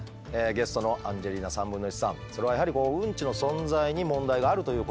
ゲストのアンジェリーナ1/3さんそれはやはりウンチの存在に問題があるということなのでしょうか？